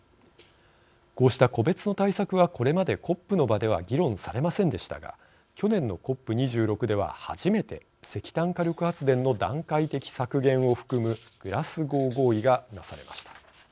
こうした個別の対策はこれまでＣＯＰの場では議論されませんでしたが去年のＣＯＰ２６では初めて石炭火力発電の段階的削減を含むグラスゴー合意がなされました。